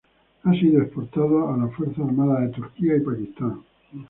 Ha sido exportado a las Fuerzas Armadas de Turquía y Pakistán.